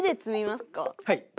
はい。